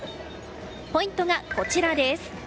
ポイントが、こちらです。